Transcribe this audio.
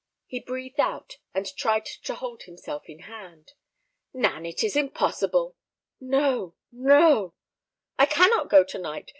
He breathed out, and tried to hold himself in hand. "Nan, it is impossible—" "No, no." "I cannot go to night.